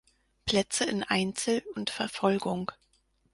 Plätze in Einzel und Verfolgung.